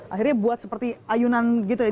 akhirnya buat seperti ayunan gitu ya